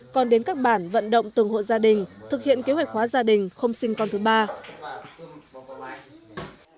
còn đến các bản vận động từng hộ gia đình thực hiện kế hoạch hóa gia đình không sinh con thứ ba